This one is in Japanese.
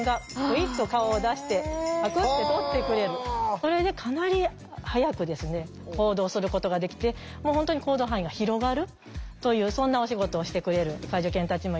それでかなり早く行動することができて本当に行動範囲が広がるというそんなお仕事をしてくれる介助犬たちもいます。